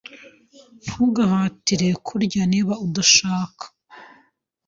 Ntugahatire kurya niba udashaka.